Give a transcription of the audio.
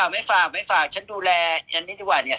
ไม่ฝากไม่ฝากฉันดูแลฉันนี่ดีกว่าเนี่ย